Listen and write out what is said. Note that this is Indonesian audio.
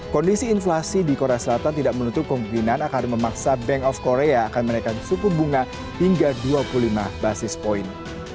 kondisi inflasi di korea selatan tidak menutup kemungkinan akan memaksa bank of korea akan menaikkan suku bunga hingga dua puluh lima basis point